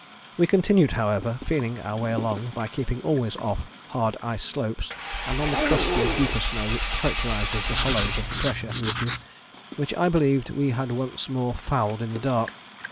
We continued, however, feeling our way along by keeping always off hard ice slopes and on the crustier deeper snow which characterizes the hollows of the pressure ridges, which I believed we had once more fouled in the dark.